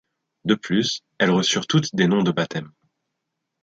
De plus elles reçurent toutes des noms de baptême.